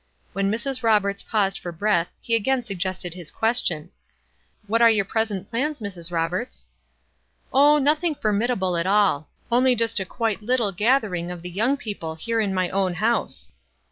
When Mrs. Roberts paused for breath, he again suggested his question : 15 226 WISE AND OTHERWISE. "What are your present plans, Mrs. Roberts ?" "Oh, nothing formidable at all — only just a quite little gathering of the young people here in my own house.